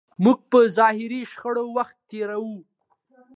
موږ په ظاهري شخړو وخت تېروو.